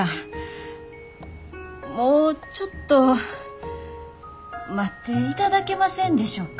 もうちょっと待っていただけませんでしょうか。